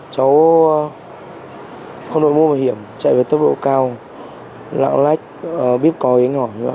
cháu không đổi mô bảo hiểm chạy với tốc độ cao lạng lách biết có hình hỏi